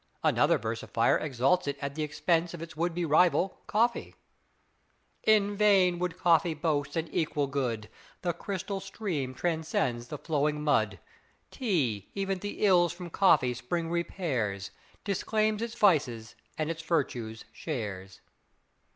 Another versifier exalts it at the expense of its would be rival, coffee: "In vain would coffee boast an equal good, The crystal stream transcends the flowing mud, Tea, even the ills from coffee spring repairs, Disclaims its vices and its virtues shares."